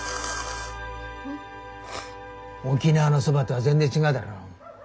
沖縄のそばとは全然違うだろ。